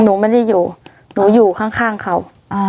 หนูไม่ได้อยู่หนูอยู่ข้างเขา